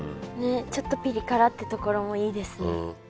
ちょっとピリ辛ってところもいいですね。